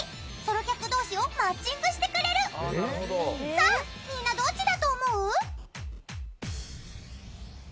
さあ、みんなどっちだと思う？